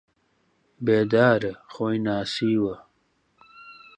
بێدارە، خۆی ناسیوە